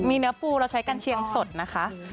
มีเนื้อปูเราใช้กัญเชียงสดนะคะ